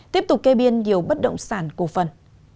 tiếp tục kê biên điều bất động sản của phần